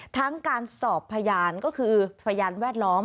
ทั้งการสอบพยานก็คือพยานแวดล้อม